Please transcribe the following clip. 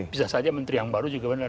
bisa saja menteri yang baru juga benar